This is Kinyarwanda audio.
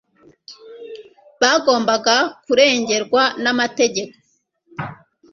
bagomba kurengerwa n'amategeko